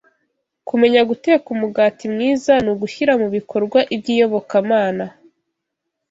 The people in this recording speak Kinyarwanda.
Kumenya guteka umugati mwiza ni ugushyira mu bikorwa iby’iyobokamana.